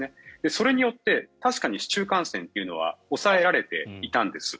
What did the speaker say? それによって確かに市中感染というのは抑えられていたんです。